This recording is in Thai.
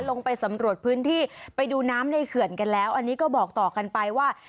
ลงไปสำรวจพื้นที่ไปดูน้ำในเขื่อนกันแล้วอันนี้ก็บอกต่อกันไปว่า